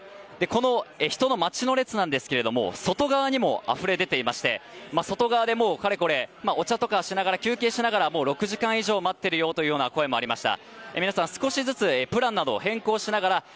この人の待ちの列なんですが外側にもあふれ出ていまして外側でお茶とか、休憩をしながらもう６時間以上待っているという声もありました。